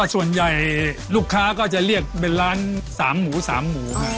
ก็ส่วนใหญ่ลูกค้าก็จะเรียกเป็นร้านสามหมูสามหมู